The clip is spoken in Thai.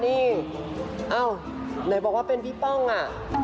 นี่อ้าวเดี๋ยวบอกว่าเป็นพี่ป้องอ่ะ